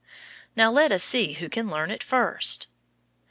Now let us see who can learn it first.